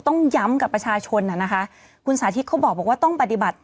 ต้องย้ำกับประชาชนน่ะนะคะคุณสาธิตเขาบอกว่าต้องปฏิบัติ